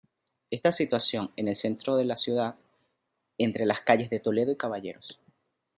Está situado en el centro de la ciudad, entre las calles Toledo y Caballeros.